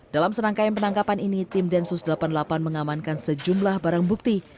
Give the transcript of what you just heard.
dalam serangkaian penangkapan ini tim densus delapan puluh delapan mengamankan sejumlah barang bukti